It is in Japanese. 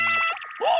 あっ！